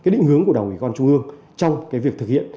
định hướng của đồng ủy công an trung ương trong việc thực hiện